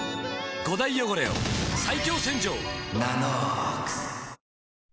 ５大汚れを最強洗浄！